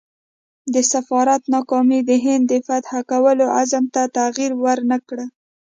د سفارت ناکامي د هند د فتح کولو عزم ته تغییر ورنه کړ.